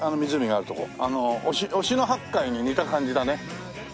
あの忍野八海に似た感じだね。